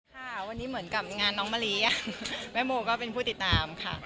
ค่ะวันนี้เหมือนกับงานน้องมะลิแม่โมก็เป็นผู้ติดตามค่ะ